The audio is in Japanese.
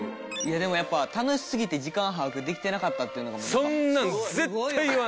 でもやっぱ「楽しすぎて時間を把握できてなかった」っていうのが。